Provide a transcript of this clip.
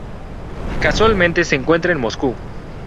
Casualmente se encuentran en Moscú.